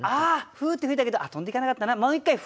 フーッて吹いたけど飛んでいかなかったなもう一回フーッと。